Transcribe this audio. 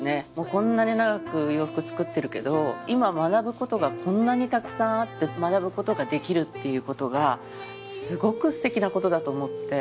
こんなに長く洋服作ってるけど今学ぶことがこんなにたくさんあって学ぶことができるっていうことがすごくステキなことだと思って。